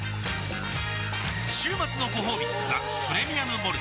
週末のごほうび「ザ・プレミアム・モルツ」